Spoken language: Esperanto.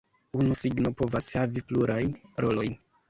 Unu signo povas havi plurajn rolojn.